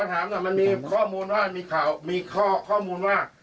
ถามหน่อยมันมีข้อมูลว่ามีข่าวมีข้อมูลว่า